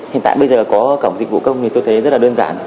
hiện tại bây giờ có cổng dịch vụ công thì tôi thấy rất là đơn giản